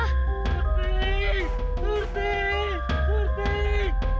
surti surti surti